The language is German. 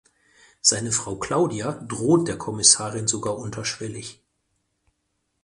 Seine Frau Claudia droht der Kommissarin sogar unterschwellig.